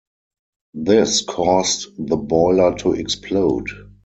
This caused the boiler to explode.